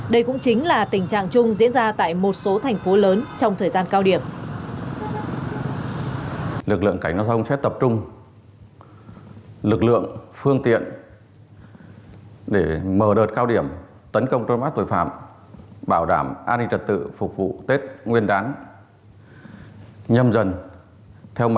đây cũng chính là tình trạng chung diễn ra tại một số thành phố lớn trong thời gian cao điểm